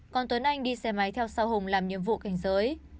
còn tuấn anh đi xe máy theo sau hùng làm nhiệm vụ cảnh giới